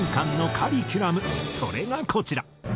それがこちら。